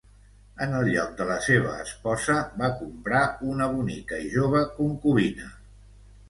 En el lloc de la seva esposa, va comprar una bonica i jove concubina.